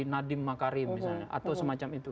nadiem makarim misalnya